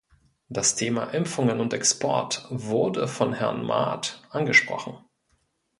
Das Thema Impfungen und Export wurde von Herrn Maat angesprochen.